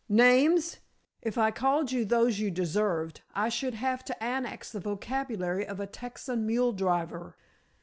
"Names! If I called you those you deserved I should have to annex the vocabulary of a Texan muledriver.